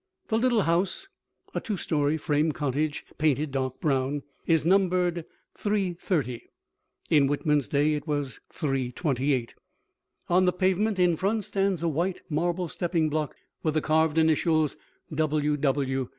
The little house, a two story frame cottage, painted dark brown, is numbered 330. (In Whitman's day it was 328.) On the pavement in front stands a white marble stepping block with the carved initials W.